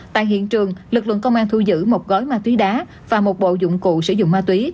tại hiện trường lực lượng công an thu giữ một gói ma túy đá và một bộ dụng cụ sử dụng ma túy